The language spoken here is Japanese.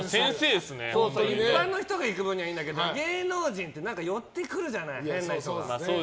一般の人が行く分にはいいけど芸能人って寄って来るじゃない。